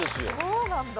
そうなんだ。